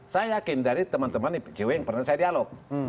saya yakin dari teman teman ipcw yang pernah saya dialog